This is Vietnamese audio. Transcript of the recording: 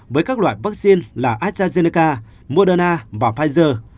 với các loại vaccine là astrazeneca moderna và pfizer